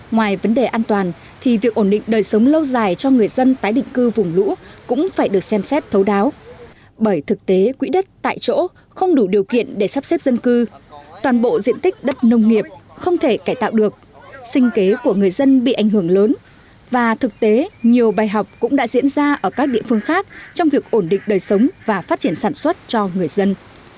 ngoài vấn đề an toàn thì việc ổn định đời sống lâu dài cho người dân tái định cư vùng lũ cũng phải được xem xét thấu đáo bởi thực tế quỹ đất tại chỗ không đủ điều kiện để sắp xếp dân cư toàn bộ diện tích đất nông nghiệp không thể cải tạo được sinh kế của người dân bị ảnh hưởng lớn và thực tế nhiều bài học cũng đã diễn ra ở các địa phương khác trong việc ổn định đời sống và phát triển sản xuất cho người dân